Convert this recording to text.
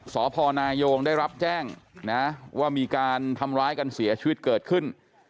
สพนายงได้รับแจ้งนะว่ามีการทำร้ายกันเสียชีวิตเกิดขึ้น